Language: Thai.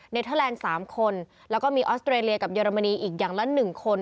เทอร์แลนด์๓คนแล้วก็มีออสเตรเลียกับเยอรมนีอีกอย่างละ๑คน